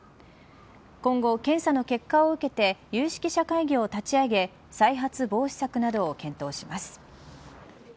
今後、検査の結果を受けて有識者会議を立ち上げ再発防止策などを検討します。